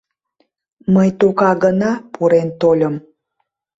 Мый тока гына пурен тольым...